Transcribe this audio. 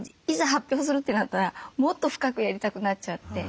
発表するってなったらもっと深くやりたくなっちゃって。